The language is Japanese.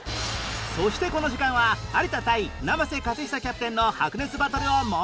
そしてこの時間は有田対生瀬勝久キャプテンの白熱バトルをもう一度